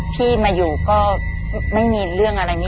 พี่มาอยู่ก็ไม่มีเรื่องอะไรนี้